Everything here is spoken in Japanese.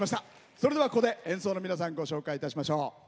それでは演奏の皆さんご紹介いたしましょう。